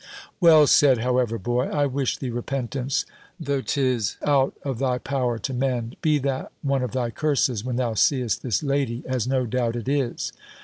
"Well said, however, boy. I wish thee repentance, though 'tis out of thy power to mend. Be that one of thy curses, when thou seest this lady; as no doubt it is."